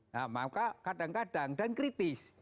nah maka kadang kadang dan kritis